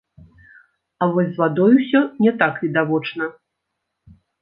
А вось з вадой усё не так відавочна.